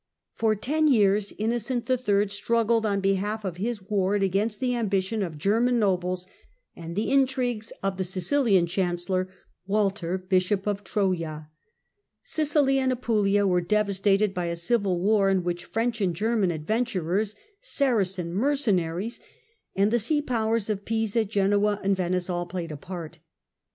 For tea years Innocent III. struggled on behalf of his ward against the ambition of German nobles and the intrigues of the Sicilian chancellor, Walter Bishop of Tfoja. Sicily and Apulia were devastated by a civil war in which French and German adventurers, Saracen mercenaries, and the sea powers of Pisa, Genoa and Venice all played a part.